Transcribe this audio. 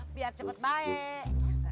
biar cepet baik